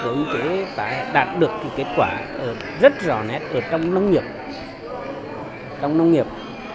chúng ta đã đạt được kết quả rất rõ nét trong nông nghiệp